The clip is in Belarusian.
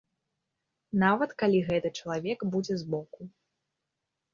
Нават калі гэты чалавек будзе збоку.